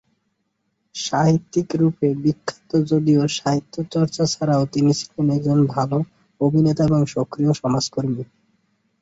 সাহিত্যিক রুপে বিখ্যাত যদিও সাহিত্য চর্চা ছাড়াও তিনি ছিলেন একজন ভাল অভিনেতা ও সক্রিয় সমাজকর্মী।